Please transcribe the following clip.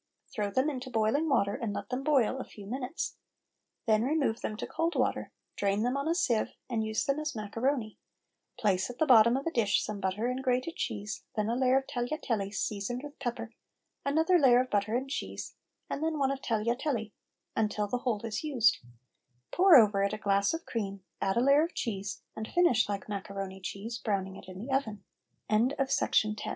Throw them into boiling water and let them boil a few minutes. Then remove them to cold water; drain them on a sieve and use them as macaroni; place at the bottom of a dish some butter and grated cheese, then a layer of tagliatelli seasoned with pepper, another layer of butter and cheese, and then one of tagliatelli, until the whole is used; pour over it a glass of cream, add a layer of cheese, and finish like macaroni cheese, browning it in the oven. OATMEAL PORRID